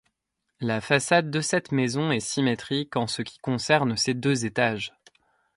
La façade de cette maison est symétrique en ce qui concerne ses deux étages.